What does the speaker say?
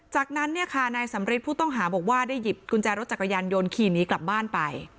จากนั้นเนี่ยค่ะนายสำริทผู้ต้องหาบอกว่าได้หยิบกุญแจรถจักรยานยนต์ขี่หนีกลับบ้านไป